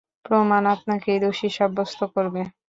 প্রমাণ আপনাকেই দোষী সাব্যস্ত করবে।